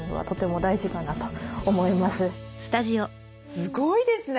すごいですね